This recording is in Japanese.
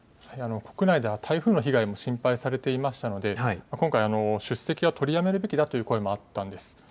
国内では台風の被害も心配されていましたので今回、出席は取りやめるべきだという声もあったんです。